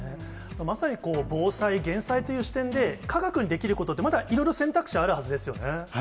まさに、防災減災という視点で、科学にできることって、いろいろ選択肢あるはずですよね。